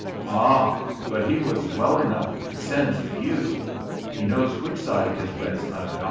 "Ah! but he was well enough to send for you! He knows which side his bread's buttered.